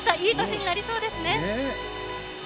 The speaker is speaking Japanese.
いい年になりそうですね。